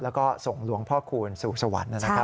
แล้วก็ส่งหลวงพ่อคูณสู่สวรรค์นะครับ